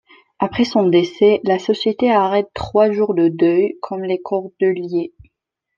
Après son décès, la société arrête trois jours de deuil, comme les Cordeliers.